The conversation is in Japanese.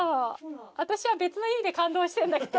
私は別の意味で感動してんだけど。